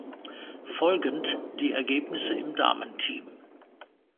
Folgend die Ergebnisse im Damenteam.